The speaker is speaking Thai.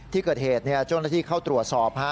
ที่เกิดเหตุเจ้าหน้าที่เข้าตรวจสอบ